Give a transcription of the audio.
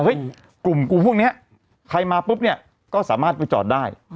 กลุ่มกลุ่มพวกนี้ใครมาปุ๊บเนี่ยก็สามารถไปจอดได้